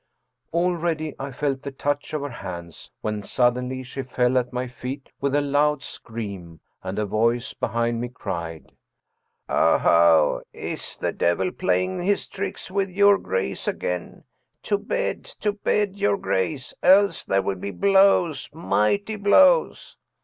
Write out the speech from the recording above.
Already I felt the touch of her hands, when suddenly she 147 German Mystery Stories fell at my feet with a loud scream, and a voice behind me cried: " Oho, is the devil playing his tricks with your grace again? To bed, to bed, your grace. Else there will be blows, mighty blows!"